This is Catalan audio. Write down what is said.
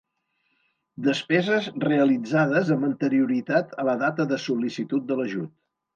Despeses realitzades amb anterioritat a la data de sol·licitud de l'ajut.